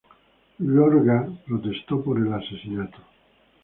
Iorga protestó por el asesinato.